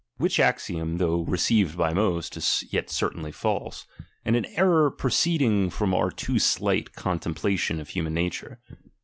Which axiom, though received by most, is yet certainly false ; and an error proceed ing from our too slight contemplation of Imman natnre.